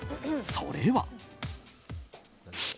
それは。